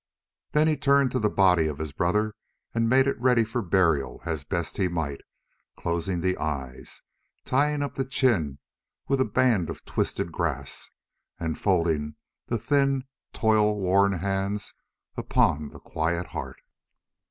Then he turned to the body of his brother and made it ready for burial as best he might, closing the eyes, tying up the chin with a band of twisted grass, and folding the thin toil worn hands upon the quiet heart.